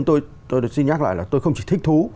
tôi xin nhắc lại là tôi không chỉ thích thú